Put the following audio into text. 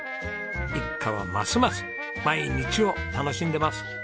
一家はますます毎日を楽しんでいます。